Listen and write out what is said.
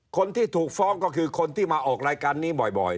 คนที่ถูกฟ้องก็คือคนที่มาออกรายการนี้บ่อย